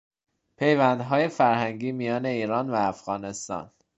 پیوندهای فرهنگی میان ایران و افغانستان